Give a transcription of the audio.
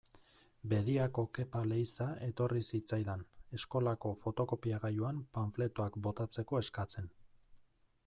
Bediako Kepa Leiza etorri zitzaidan, eskolako fotokopiagailuan panfletoak botatzeko eskatzen.